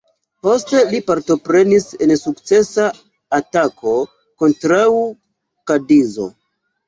Poste li partoprenis en sukcesa atako kontraŭ Kadizo.